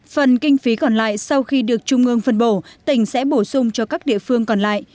phần kinh phí còn lại sau khi được trung ương phân bổ tỉnh sẽ bổ sung cho các địa phương còn lại